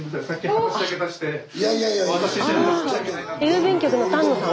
郵便局の丹野さん